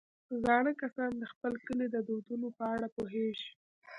زاړه کسان د خپل کلي د دودونو په اړه پوهېږي